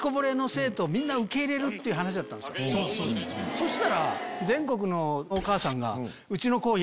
そしたら全国のお母さんが。